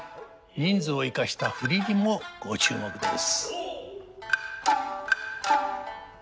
人数を生かした振りにもご注目です。